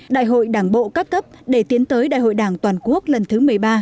đại hội đảng bộ các cấp để tiến tới đại hội đảng toàn quốc lần thứ một mươi ba